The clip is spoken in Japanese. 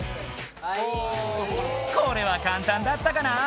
これは簡単だったかな？